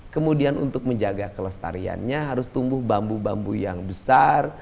kemudian untuk menjaga kelestariannya harus tumbuh bambu bambu yang besar